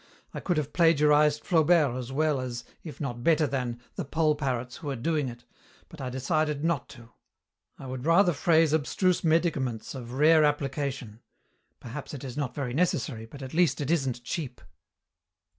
I could have plagiarized Flaubert as well as, if not better than, the poll parrots who are doing it, but I decided not to. I would rather phrase abstruse medicaments of rare application; perhaps it is not very necessary, but at least it isn't cheap."